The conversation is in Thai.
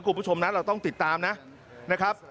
นักกลุ่มผู้ชมนั้นเราต้องติดตามนะนะครับ